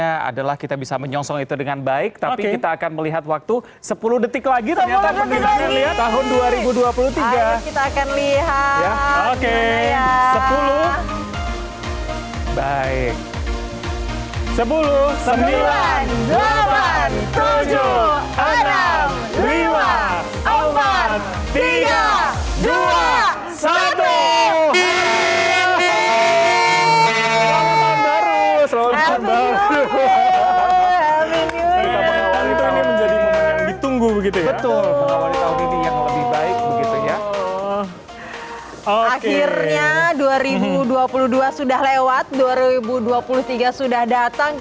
ya adalah kita bisa menyongsong itu dengan baik tapi kita akan melihat waktu sepuluh detik lagi ternyata pendidikan yang lihat tahun dua ribu dua puluh tiga